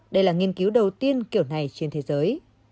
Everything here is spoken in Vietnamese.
đây là nghiên cứu đầu tiên kiểu này trên thế giới